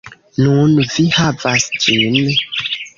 Nun, vi havas ĝin.